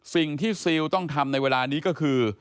สิ่งที่ซีลต้องทำในเวลานี้ก็คือ